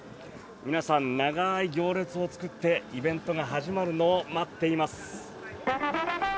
皆さん、長い行列を作ってイベントが始まるのを待っています。